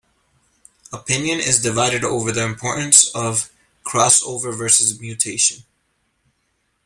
Opinion is divided over the importance of crossover versus mutation.